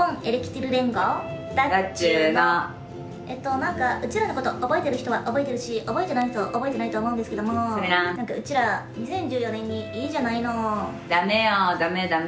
なんかうちらのこと覚えてる人は覚えてるし覚えてない人は、覚えてないと思うんですけどうちら、２０１４年にいいじゃないのダメよダメダメ！